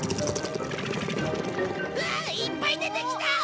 うわあいっぱい出てきた！